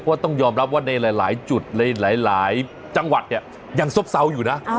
เพราะต้องยอมรับว่าในหลายจุดหลายจังหวัดเนี่ยยังซบเซาอยู่นะ